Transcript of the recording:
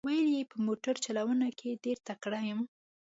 ویل یې په موټر چلونه کې ډېر تکړه یم.